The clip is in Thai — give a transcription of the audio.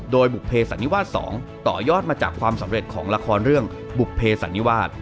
โดยบุภเพสันนิวาส๒ต่อยอดมาจากความสำเร็จของละครเรื่องบุภเพสันนิวาส